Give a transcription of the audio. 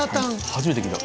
初めて聞いた。